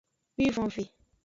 Wivonve.